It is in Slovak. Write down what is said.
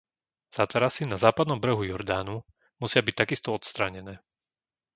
Zátarasy na Západnom brehu Jordánu musia byť takisto odstránené.